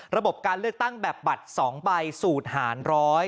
ระบบการเลือกตั้งแบบบัตร๒ใบสูตรหาร๑๐๐